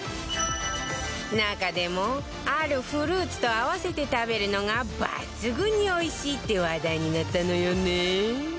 中でもあるフルーツと合わせて食べるのが抜群に美味しいって話題になったのよね